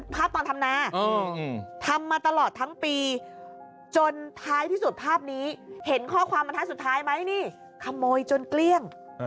ไปหาคุณราเนีย